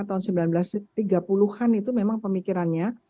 tahun seribu sembilan ratus tiga puluh an itu memang pemikirannya